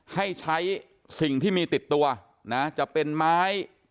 ให้ใช้สิ่งที่มีติดตัวนะจะเป็นไม้